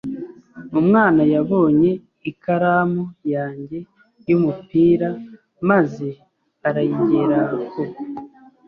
Umwana yabonye ikaramu yanjye y'umupira maze arayigeraho.